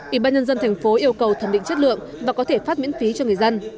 ủy ban nhân dân thành phố yêu cầu thẩm định chất lượng và có thể phát miễn phí cho người dân